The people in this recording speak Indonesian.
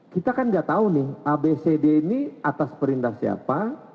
kita kan nggak tahu nih abcd ini atas perintah siapa